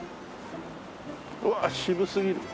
うわあ渋すぎる。